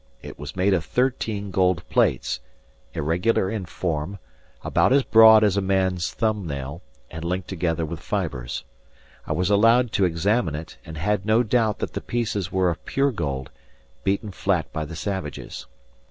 It was made of thirteen gold plates, irregular in form, about as broad as a man's thumb nail, and linked together with fibres. I was allowed to examine it, and had no doubt that the pieces were of pure gold, beaten flat by the savages.